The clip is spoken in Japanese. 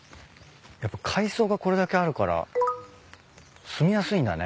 やっぱ海藻がこれだけあるからすみやすいんだね。